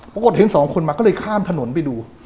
ปรากฏเห็นสองคนมาก็เลยข้ามถนนไปดู